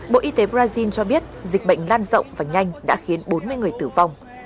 bộ y tế brazil cho biết dịch bệnh lan rộng và nhanh đã khiến bốn mươi người tử vong